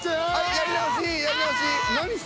やり直し！